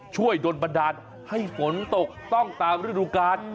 โดนบันดาลให้ฝนตกต้องตามฤดูกาล